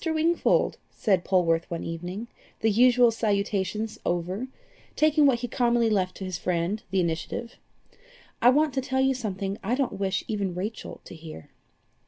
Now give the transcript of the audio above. Wingfold," said Polwarth one evening, the usual salutations over, taking what he commonly left to his friend the initiative, "I want to tell you something I don't wish even Rachel to hear."